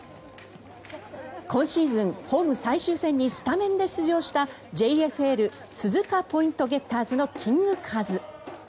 今シーズン、ホーム最終戦にスタメンで出場したＪＦＬ鈴鹿ポイントゲッターズのキングカズ。